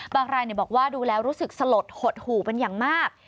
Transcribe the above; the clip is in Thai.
บางรายบอกว่าดูแลรู้สึกสะหรดหดหู่มันอย่างมาก